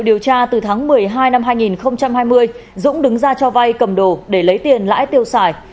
tài liệu điều tra từ tháng một mươi hai năm hai nghìn hai mươi dũng đứng ra cho vai cầm đồ để lấy tiền lãi tiêu xài